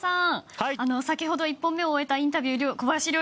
先ほど１本目を終えたインタビュー